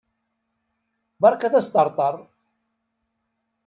Berkat asṭerṭer!